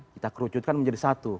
kita kerucutkan menjadi satu